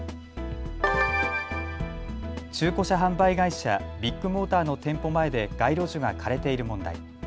中古車販売会社、ビッグモーターの店舗前で街路樹が枯れている問題。